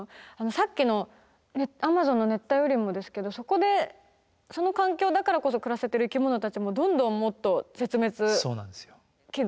さっきのアマゾンの熱帯雨林もですけどそこでその環境だからこそ暮らせてる生き物たちもどんどんもっと絶滅危惧になってしまいますし。